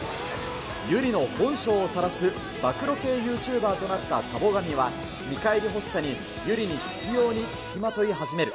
優里の本性をさらす暴露系ユーチューバーとなった田母神は見返り欲しさに、優里に執ように付きまとい始める。